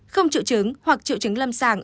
không triệu chứng hoặc triệu chứng lâm sàng